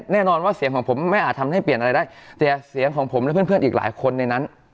แน่นอนว่าเสียงของผมไม่อาจทำให้เปลี่ยนอะไรได้แต่เสียงของผมและเพื่อนอีกหลายคนในนั้น